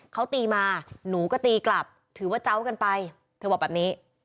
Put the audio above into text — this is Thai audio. เขาตีมาหนูก็ตีกลับถือว่าเจ้ากันไปเธอบอกแบบนี้